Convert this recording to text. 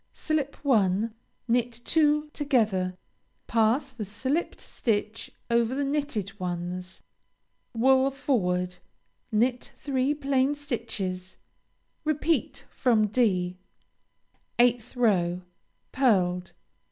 Slip one. Knit two together. Pass the slipped stitch over the knitted ones. Wool forward. Knit three plain stitches. Repeat from (d.) 8th row Pearled.